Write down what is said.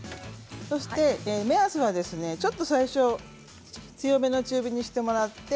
そして、目安はちょっと最初強めの中火にしてもらって。